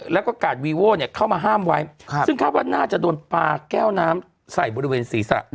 แล้วก็กาดวีโว้เข้ามาห้ามไว้ซึ่งคาดว่าน่าจะโดนปลาแก้วน้ำใส่บริเวณศีรษะ